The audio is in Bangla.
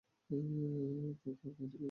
তো, তোমার কাহিনী কী?